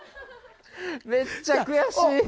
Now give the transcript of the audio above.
めっちゃ悔しい。